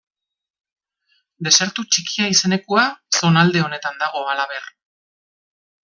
Desertu Txikia izenekoa zonalde honetan dago halaber.